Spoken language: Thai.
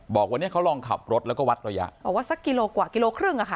บอกวันนี้เขาลองขับรถแล้วก็วัดระยะบอกว่าสักกิโลกว่ากิโลครึ่งอะค่ะ